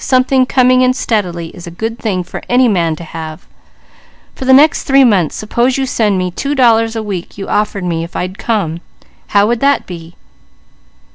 Something 'coming in steadily' is a good thing for any man to have. For the next three months, suppose you send me that two dollars a week you offered me if I'd come. How would that be?"